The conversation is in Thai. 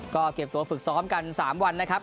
ก็เก็บตัวฝึกซ้อมกัน๓วันนะครับ